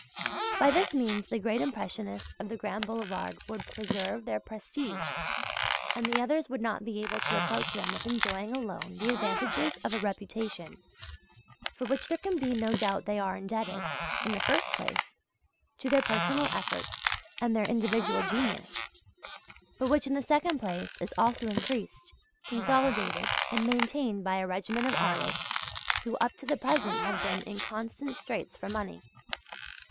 By this means the great Impressionists of the Grand Boulevard would preserve their prestige, and the others would not be able to reproach them with enjoying alone the advantages of a reputation for which there can be no doubt they are indebted, in the first place, to their personal efforts and their individual genius but which in the second place is also increased, consolidated and maintained by a regiment of artists who up to the present have been in constant straits for money.